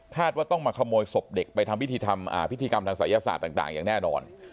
ว่าต้องมาขโมยศพเด็กไปทำพิธีทำพิธีกรรมทางศัยศาสตร์ต่างอย่างแน่นอน